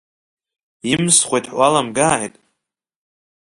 Имсхуеит ҳәа уаламгааит.